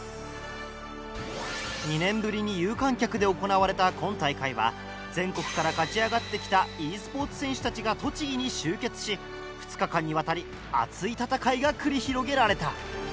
２年ぶりに有観客で行われた今大会は全国から勝ち上がってきたｅスポーツ選手たちが栃木に集結し２日間にわたり熱い戦いが繰り広げられた。